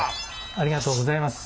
ありがとうございます。